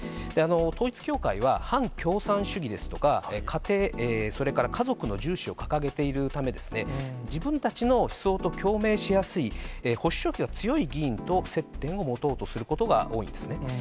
統一教会は反共産主義ですとか、家庭、それから家族の重視を掲げているため、自分たちの思想と共鳴しやすい保守色の強い議員と接点を持とうとすることが多いんですね。